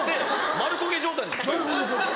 丸焦げ状態。